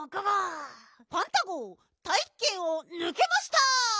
パンタごうたいきけんをぬけました！